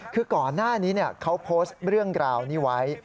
คือก่อนหน้านี้เขาโพสต์เรื่องราวนี้ไว้